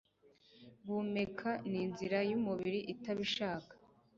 Guhumeka ni inzira yumubiri itabishaka.